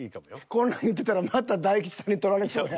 こんなん言うてたらまた大吉さんに取られそうや。